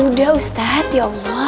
udah ustaz ya allah